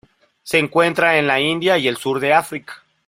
Se encuentra en la India y el sur de África.